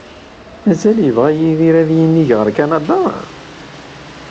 Mazal yebɣa Yidir ad yinig ɣer Kanada?